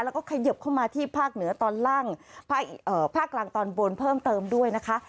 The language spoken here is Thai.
แล้วก็เขยิบเข้ามาที่ภาคเหนือตอนล่างภาคกลางตอนบนเพิ่มเติมด้วยนะคะ